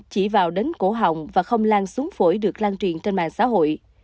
chỉ vào đến cổ họng và không lan xuống phổi được lan truyền trên mạng xã hội